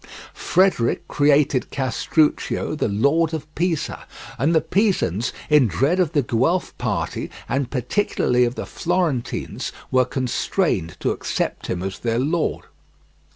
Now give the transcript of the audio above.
Frederick created Castruccio the lord of Pisa, and the Pisans, in dread of the Guelph party, and particularly of the Florentines, were constrained to accept him as their lord.